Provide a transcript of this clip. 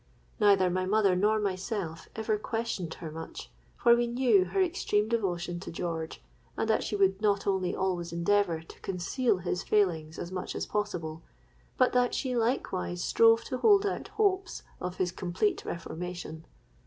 Neither my mother nor myself ever questioned her much; for we knew her extreme devotion to George, and that she would not only always endeavour to conceal his failings as much as possible, but that she likewise strove to hold out hopes of his complete reformation.